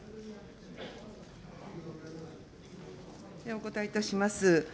お答えいたします。